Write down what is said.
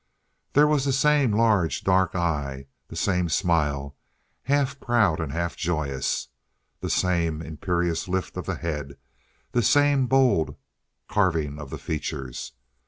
There was the same large, dark eye; the same smile, half proud and half joyous; the same imperious lift of the head; the same bold carving of the features.